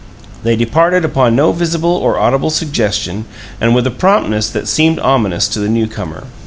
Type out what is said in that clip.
They departed upon no visible or audible suggestion, and with a promptness that seemed ominous to the new comer.